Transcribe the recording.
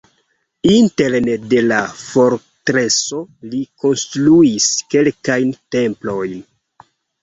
Interne de la fortreso li konstruis kelkajn templojn.